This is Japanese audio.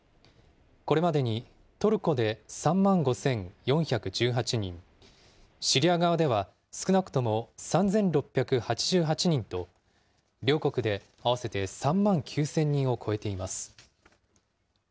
これまでにトルコで３万５４１８人、シリア側では少なくとも３６８８人と、両国で合わせて３万９０００人を超えています。